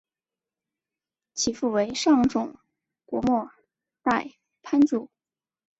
其父为上总国末代藩主。